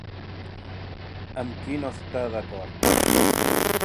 Amb qui no està d'acord?